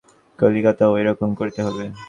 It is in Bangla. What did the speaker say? কলিকাতায়ও ঐ রকম করতে বল।